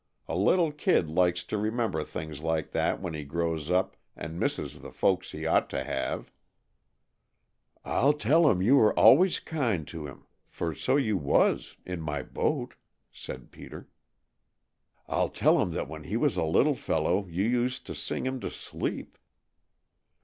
A little kid likes to remember things like that when he grows up and misses the folks he ought to have." "I'll tell him you were always kind to him, for so you was in my boat," said Peter. "I'll tell him that when he was a little fellow you used to sing him to sleep."